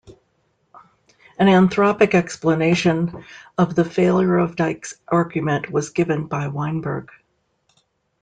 An anthropic explanation of the failure of Dicke's argument was given by Weinberg.